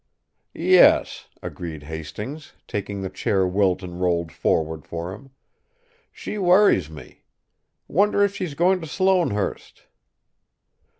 "Yes," agreed Hastings, taking the chair Wilton rolled forward for him. "She worries me. Wonder if she's going to Sloanehurst."